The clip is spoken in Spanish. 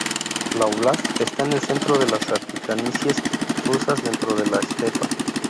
La óblast está en el centro de las altiplanicies rusas dentro de la estepa.